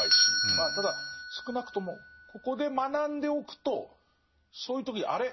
まあただ少なくともここで学んでおくとそういう時にあれ？